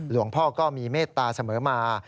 หลวงพ่อก็มีเมตตาเสมอมา